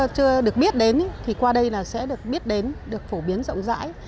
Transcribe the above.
khách chưa được biết đến thì qua đây sẽ được biết đến được phổ biến rộng rãi